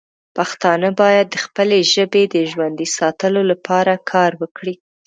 پښتانه باید د خپلې ژبې د ژوندی ساتلو لپاره کار وکړي.